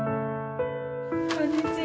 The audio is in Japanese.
こんにちは。